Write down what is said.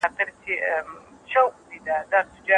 په سړه سينه کار وکړئ.